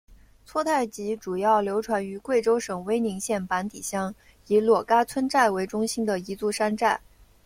撮泰吉主要流传于贵州省威宁县板底乡以裸戛村寨为中心的彝族山寨。